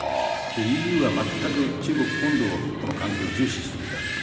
ＥＵは全く中国本土との関係を重視してきたわけです。